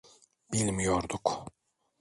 Bilmiyorduk.